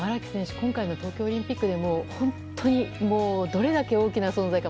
今回の東京オリンピックで本当にどれだけ大きな存在か。